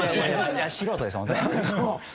素人ですホントに。